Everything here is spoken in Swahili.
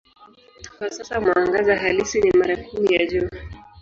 Kwa sasa mwangaza halisi ni mara kumi ya Jua.